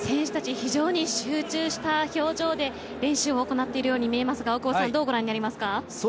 非常に集中した表情で練習を行っているように見えますが、大久保さんどうご覧になりますか。